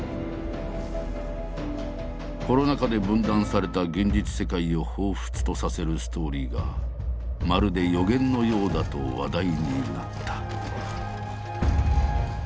コロナ禍で分断された現実世界をほうふつとさせるストーリーがまるで予言のようだと話題になった。